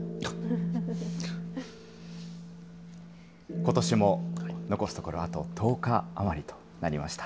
ことしも残すところあと１０日余りとなりました。